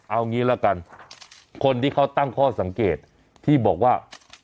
เอางี้ละกันคนที่เขาตั้งข้อสังเกตที่บอกว่า